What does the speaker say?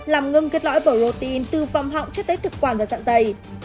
làm ngưng kết lõi bổ protein từ vòng họng cho tới thực quản và dạng dày